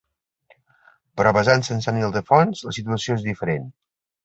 Però basant-se en Sant Ildefons la situació és diferent.